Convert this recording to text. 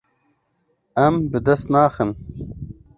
Em bi dest naxin.